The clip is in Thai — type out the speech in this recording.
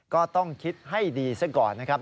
ก็ต้องคิดให้ดีซะก่อนนะครับ